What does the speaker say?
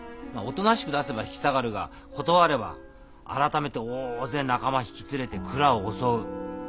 まあおとなしく出せば引き下がるが断れば改めて大勢仲間引き連れて蔵を襲う。